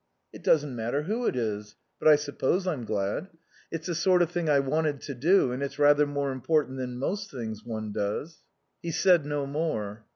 "It doesn't matter who it is. But I suppose I'm glad. It's the sort of thing I wanted to do and it's rather more important than most things one does." He said no more.